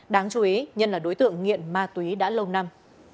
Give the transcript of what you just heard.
đáng chú ý nhân là đối tượng nghiện ma túy đã lâu năm